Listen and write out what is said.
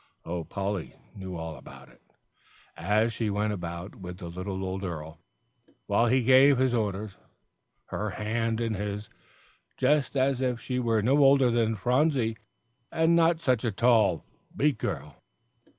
Oh, Polly knew about it all, as she went about with the little old earl while he gave his orders, her hand in his, just as if she were no older than Phronsie, and not such a tall, big girl.